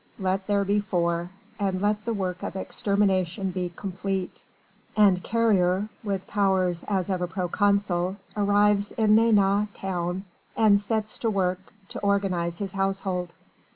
Let there be four and let the work of extermination be complete. And Carrier with powers as of a proconsul arrives in Nantes town and sets to work to organise his household.